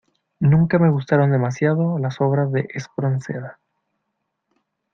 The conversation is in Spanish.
Nunca me gustaron demasiado las obras de Espronceda.